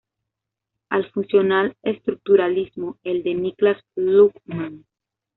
Al funcional estructuralismo, el de Niklas Luhmann.